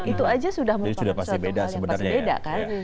itu saja sudah merupakan suatu hal yang pasti beda kan